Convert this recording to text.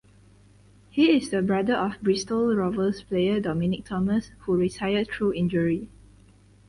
He is the brother of Bristol Rovers player Dominic Thomas who retired through injury.